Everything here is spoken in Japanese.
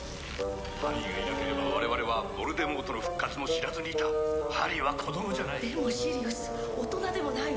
ハリーがいなければ我々はヴォルデモートの復活も知らずにいたハリーは子供じゃないでもシリウス大人でもないわ